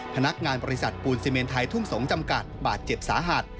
พนักงานบริษัทปูนซีเมนไทยทุ่งสงศ์จำกัดบาดเจ็บสาหัส